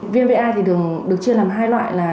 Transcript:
viêm va được chia làm hai loại là